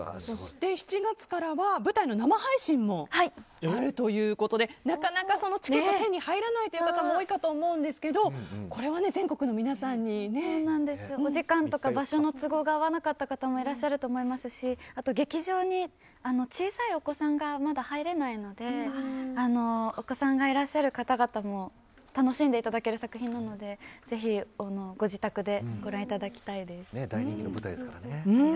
７月からは舞台の生配信もあるということでなかなかチケットが手に入らないという方も多いかと思うんですけどこれはぜひ全国の皆さんにね。お時間や場所の都合が合わなかった方もいらっしゃると思いますし劇場に小さいお子さんがまだ入れないのでお子さんがいらっしゃる方々にも楽しんでいただける作品なので、ぜひご自宅でご覧いただきたいです。